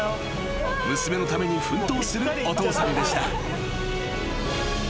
［娘のために奮闘するお父さんでした］